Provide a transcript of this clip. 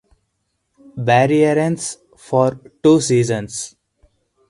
Barreirense for two seasons.